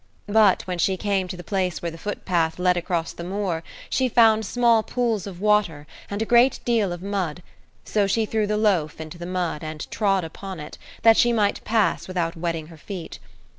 But when she came to the place where the footpath led across the moor, she found small pools of water, and a great deal of mud, so she threw the loaf into the mud, and trod upon it, that she might pass without wetting her feet.